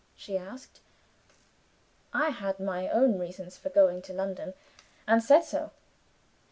she asked. I had my own reasons for going to London, and said so.